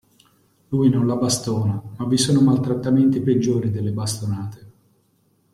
Lui non la bastona, ma vi sono maltrattamenti peggiori delle bastonate.